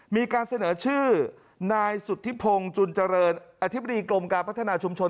มีการเสนอชื่อนายสุธิพงศ์จุนเจริญอธิบดีกรมการพัฒนาชุมชน